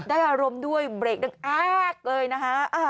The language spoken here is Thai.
ได้อารมณ์ด้วยเบรกนึงอ้ากเลยนะคะ